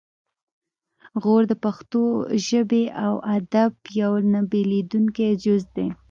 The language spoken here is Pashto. غور د پښتو ژبې او ادب یو نه بیلیدونکی جز دی